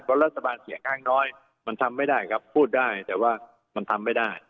เพราะรัฐบาลเสียงข้างน้อยมันทำไม่ได้ครับพูดได้แต่ว่ามันทำไม่ได้